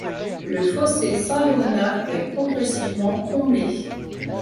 Le fossé Saint-Léonard est progressivement comblé.